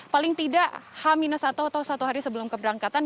paling tidak h atau satu hari sebelum keberangkatan